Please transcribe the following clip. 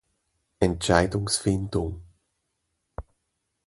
Entscheidungsfindung.